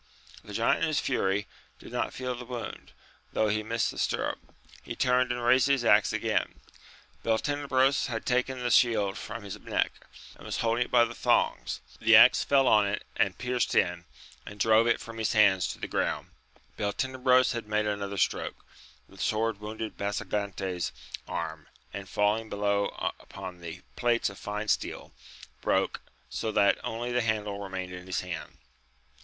The giant in his fury did not feel the wound, though AMADIS OF OAUL. 31 he missed t^e stirrup ; he turned and raised his axe again. Beltenebros had taken the shield from his neck, and was holding it by the thongs : the axe fell on it and pierced in, and drove it from his hands to the ground. Beltenebros had made another stroke, the sword wounded Basagante's arm, and, falling be low upon the plates of fine steel, broke, so that only the handle remained in his hand.